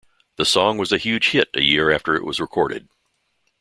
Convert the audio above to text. The song was a huge hit a year after it was recorded.